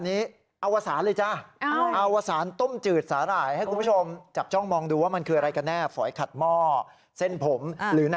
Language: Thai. สีดำนะจะทำต้มจืดสาลายค่ะเปิดสาลายมานี่ค่ะอึ้งไปเลยค่ะ